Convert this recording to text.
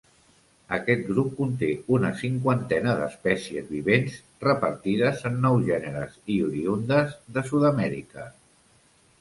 Aquest grup conté una cinquantena d'espècies vivents repartides en nou gèneres i oriündes de Sud-amèrica.